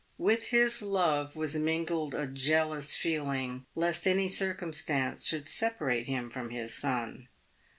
With his love was mingled a jealous feeling lest any circumstance should separate him from his son.